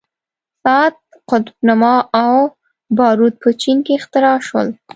ساعت، قطب نما او باروت په چین کې اختراع شول.